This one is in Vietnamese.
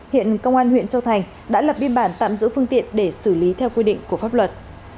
hiện công an huyện châu thành đã lập biên bản tạm giữ phương tiện để xử lý theo quy định của pháp luật